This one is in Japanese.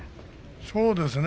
そうですね。